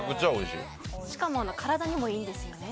しかも体にもいいですよね。